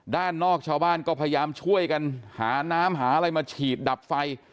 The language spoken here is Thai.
ด้านนอกชาวบ้านก็พยายามช่วยกันหาน้ำหาอะไรมาฉีดดับไฟ